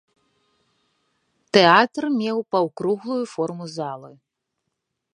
Тэатр меў паўкруглую форму залы.